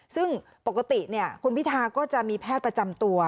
ซึ่งปกติคุณพิธาก็จะมีแพทย์ประจำตัว